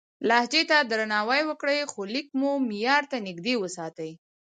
لهجې ته درناوی وکړئ، خو لیک مو معیار ته نږدې وساتئ.